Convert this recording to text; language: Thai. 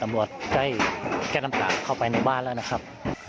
อำรวจใกล้ทั้งต่างเข้าไปในบ้านแล้วนะครับ